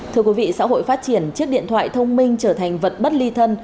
thưa quý vị xã hội phát triển chiếc điện thoại thông minh trở thành vật bất ly thân